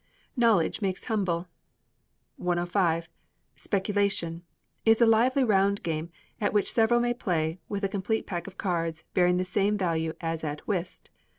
[KNOWLEDGE MAKES HUMBLE.] 105. Speculation is a lively round game, at which several may play, with a complete pack of cards, bearing the same value as at whist.